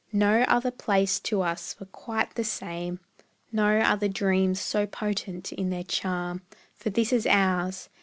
No other place to us were quite the same, No other dreams so potent in their charm, For this is ours!